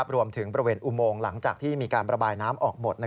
บริเวณอุโมงหลังจากที่มีการประบายน้ำออกหมด